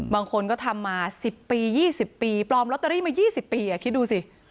บางคนก็ทำมา๑๐ปี๒๐ปีปลอมลอตเตอรี่มา๒๐ปีคิดดูสิ